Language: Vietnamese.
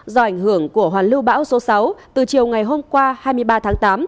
do ảnh hưởng của hoàn lưu bão số sáu từ chiều ngày hôm qua hai mươi ba tháng tám